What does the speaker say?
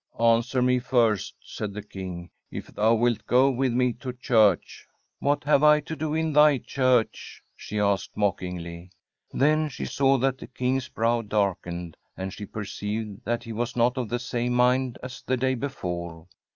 * An.swer me first/ said the King, ' if thou wilt go with me to church/ * What have I to do in thy church ?' she asked mockinglv. Then she saw that the King's brow darkened, tml *he perceived that he was not of the same miiul as the day before.